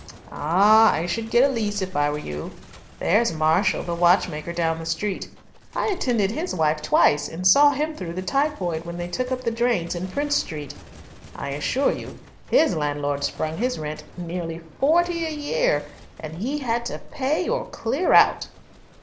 "Ah, I should get a lease if I were you. There's Marshall, the watchmaker, down the street. I attended his wife twice and saw him through the typhoid when they took up the drains in Prince Street. I assure you his landlord sprung his rent nearly forty a year and he had to pay or clear out."